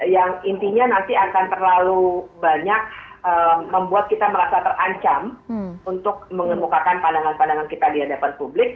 yang intinya nanti akan terlalu banyak membuat kita merasa terancam untuk mengemukakan pandangan pandangan kita di hadapan publik